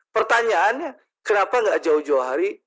pertanyaannya kenapa nggak jawa jawa hari